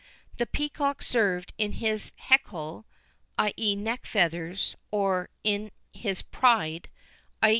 The peacock served in his "hakell," i.e., neck feathers, or in his "pride" _i.